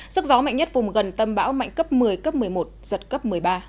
sức gió mạnh nhất vùng gần tâm bão mạnh cấp một mươi cấp một mươi một giật cấp một mươi ba